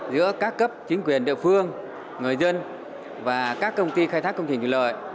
giữa các cấp chính quyền địa phương người dân và các công ty khai thác công trình thủy lợi